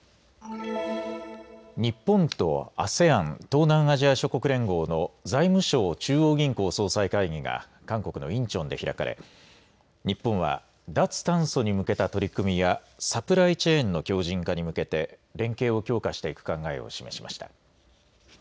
日本とＡＳＥＡＮ・東南アジア諸国連合の財務相・中央銀行総裁会議が韓国のインチョンで開かれ日本は脱炭素に向けた取り組みやサプライチェーンの強じん化に向けて連携を強化していく考えを示しました。